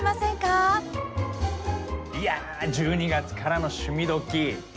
いやぁ「１２月からの趣味どきっ！」